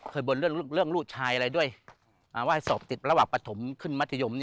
บ่นเรื่องลูกชายอะไรด้วยว่าให้สอบติดระหว่างปฐมขึ้นมัธยม